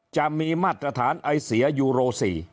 จะมีมาตรฐานไอเสียยูโร๔